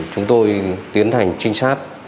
chúng tôi tiến hành trinh sát